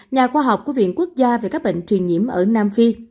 nhà khoa học của viện quốc gia về các bệnh truyền nhiễm ở nam phi